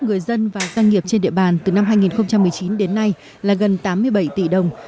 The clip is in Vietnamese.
người dân và doanh nghiệp trên địa bàn từ năm hai nghìn một mươi chín đến nay là gần tám mươi bảy tỷ đồng